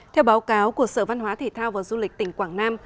theo báo cáo của sở văn hóa thể thao và du lịch tỉnh quảng nam